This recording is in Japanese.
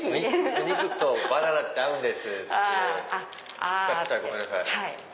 お肉とバナナって合うんですって使ってたらごめんなさい。